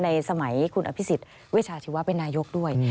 ในสมัยคุณอภิษฎวิชาชีวะเป็นนายกด้วย